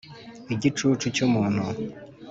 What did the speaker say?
igicucu cy umuntu